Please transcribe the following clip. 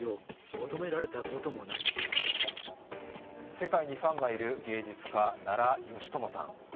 世界にファンがいる芸術家・奈良美智さん。